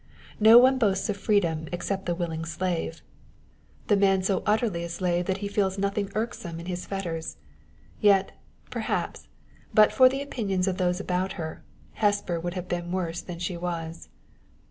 No one boasts of freedom except the willing slave the man so utterly a slave that he feels nothing irksome in his fetters. Yet, perhaps, but for the opinions of those about her, Hesper would have been worse than she was.